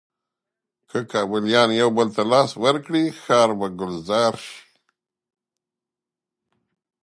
که کابليان یو بل ته لاس ورکړي، ښار به ګلزار شي.